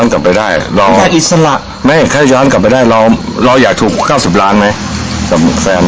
แค่ย้อนกลับไปได้เราอยากถูก๙๐ล้านไหม